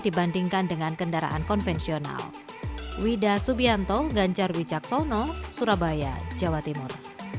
dibandingkan dengan kendaraan konvensional wida subianto ganjar wijaksono surabaya jawa timur